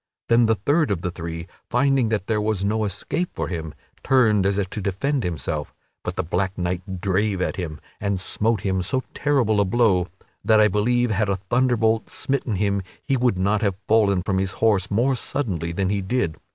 Then the third of the three, finding that there was no escape for him, turned as if to defend himself; but the black knight drave at him, and smote him so terrible a blow that I believe had a thunderbolt smitten him he would not have fallen from his horse more suddenly than he did.